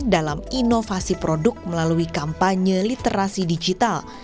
dalam inovasi produk melalui kampanye literasi digital